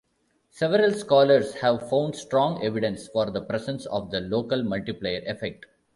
Several scholars have found strong evidence for the presence of the local multiplier effect.